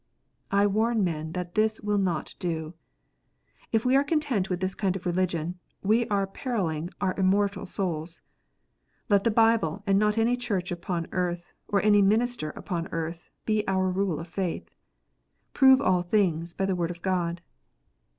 I warn men that this will not do. If we are content with this kind of religion, we are perilling our immortal souls. Let the Bible, and not any Church upon earth, or any minister upon earth, be our rule of faith. "Prove all things" by the Word of God.